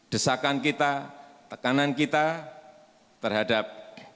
desakan kita tekanan kita terhadap